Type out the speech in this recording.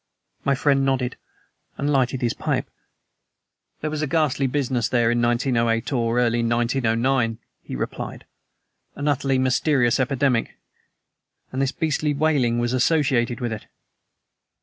My friend nodded and lighted his pipe. "There was a ghastly business there in 1908 or early in 1909," he replied: "an utterly mysterious epidemic. And this beastly wailing was associated with it."